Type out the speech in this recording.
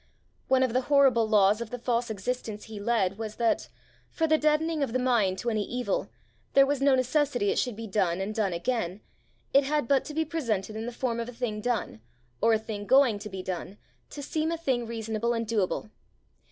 One of the horrible laws of the false existence he led was that, for the deadening of the mind to any evil, there was no necessity it should be done and done again; it had but to be presented in the form of a thing done, or a thing going to be done, to seem a thing reasonable and doable.